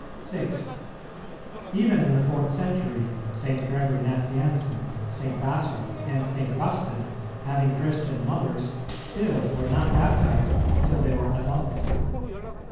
6. Even in the fourth century St. Gregory Nazianzen, St. Basil, and St. Augustine, having Christian mothers, still were not baptized till they were adults.